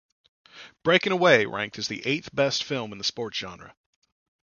"Breaking Away" ranked as the eighth best film in the sports genre.